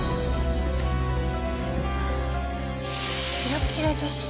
キラキラ女子？